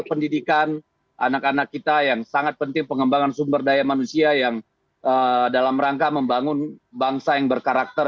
pendidikan anak anak kita yang sangat penting pengembangan sumber daya manusia yang dalam rangka membangun bangsa yang berkarakter